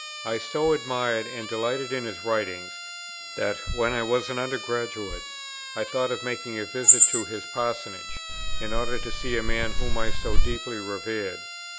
I so admired and delighted in his writings, that, when I was an under graduate, I thought of making a visit to his Parsonage, in order to see a man whom I so deeply revered.